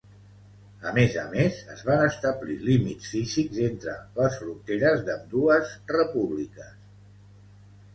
A més a més, es van establir límits físics entre les fronteres d'ambdues repúbliques.